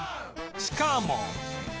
しかも